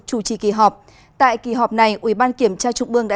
chủ trì kỳ họp tại kỳ họp này ủy ban kiểm tra trung ương đã